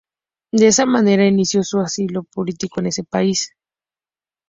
De esa manera inició su asilo político en ese país.